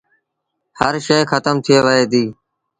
هر شئي کتم ٿئي وهي ديٚ